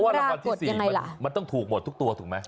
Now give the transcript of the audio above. เพราะว่ารำคัตที่๔ถูกหมดทุกตัวถูกมั้ย